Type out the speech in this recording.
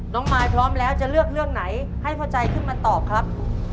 มายพร้อมแล้วจะเลือกเรื่องไหนให้พ่อใจขึ้นมาตอบครับ